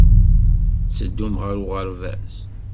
Tetteddum ɣer uɣerbaz.